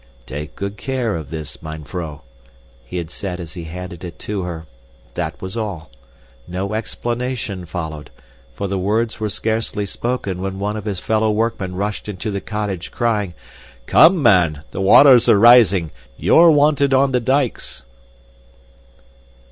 "Take good care of this, mine vrouw," he had said as he handed it to her that was all. No explanation followed, for the words were scarcely spoken when one of his fellow workmen rushed into the cottage, crying, "Come, man! The waters are rising! You're wanted on the dikes."